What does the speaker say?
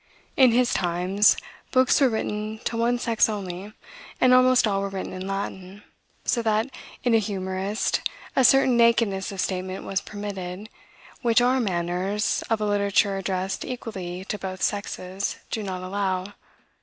In his times, books were written to one sex only, and almost all were written in Latin; so that, in a humorist, a certain nakedness of statement was permitted, which our manners, of a literature addressed equally to both sexes, do not allow.